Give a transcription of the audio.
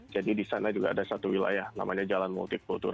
jadi di sana juga ada satu wilayah namanya jalan multikultur